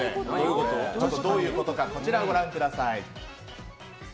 どういうことかこちらをご覧ください。